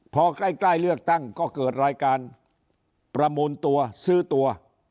พอใกล้เลือกตั้งก็เกิดรายการประมูลตัวซื้อตัว